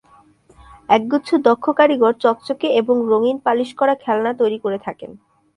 একগুচ্ছ দক্ষ কারিগর চকচকে এবং রঙিন পালিশ করা খেলনা তৈরি করে থাকেন।